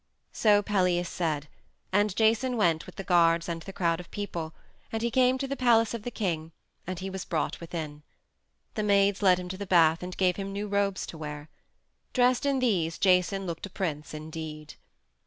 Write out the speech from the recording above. So Pelias said, and Jason went with the guards and the crowd of people, and he came to the palace of the king and he was brought within. The maids led him to the bath and gave him new robes to wear. Dressed in these Jason looked a prince indeed.